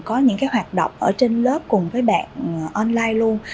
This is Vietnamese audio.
có những cái hoạt động ở trên lớp cùng với bạn online luôn